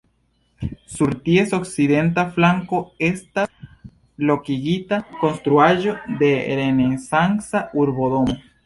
Sur ties okcidenta flanko estas lokigita konstruaĵo de renesanca urbodomo.